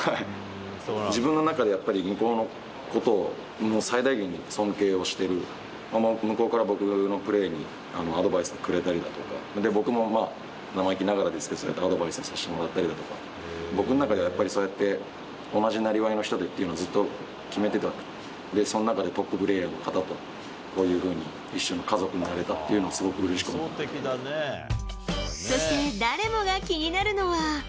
自分の中でやっぱり、向こうのことを最大限に尊敬をしている、向こうから僕のプレーにアドバイスをくれたりだとか、僕も生意気ながらですけど、アドバイスさしてもらったりだとか、僕の中ではやっぱり、そうやって同じなりわいの人でっていうのを、ずっと決めてた、で、その中でトッププレーヤーの方と、こういうふうに一緒に家族になれたっていうのは、すごくうれしくそして誰もが気になるのは。